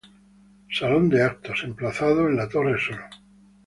Salón de Actos, emplazada en la torre sur.